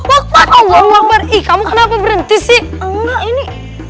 allah allah allah ii kamu kenapa berhenti sih enggak ini